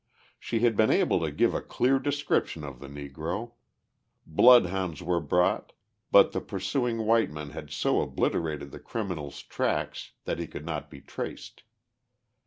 She had been able to give a clear description of the Negro: bloodhounds were brought, but the pursuing white men had so obliterated the criminal's tracks that he could not be traced.